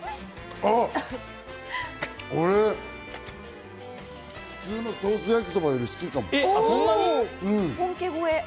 俺、普通のソース焼そばより好きかも。